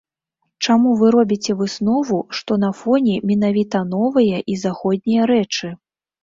Чаму вы робіце выснову, што на фоне менавіта новыя і заходнія рэчы?